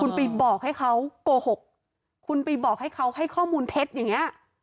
คุณไปบอกให้เขาโกหกคุณไปบอกให้เขาให้ข้อมูลเท็จอย่างเงี้ย